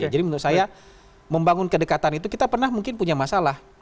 jadi menurut saya membangun kedekatan itu kita pernah mungkin punya masalah